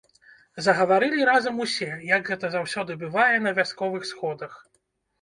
Загаварылі разам усе, як гэта заўсёды бывае на вясковых сходах.